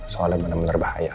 soalnya benar benar bahaya